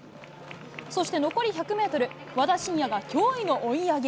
そして、残り１００メートル、和田伸也が驚異の追い上げ。